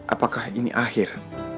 apakah ini akhir